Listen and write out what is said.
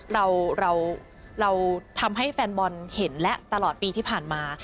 เราทำให้แฟนบอลเห็นและตลอดปีที่ผ่านมา